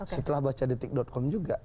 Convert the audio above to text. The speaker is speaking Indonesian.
setelah bacadetik com juga